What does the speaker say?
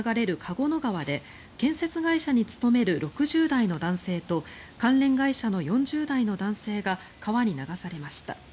合野川で建設会社に勤める６０代の男性と関連会社の４０代の男性が川に流されました。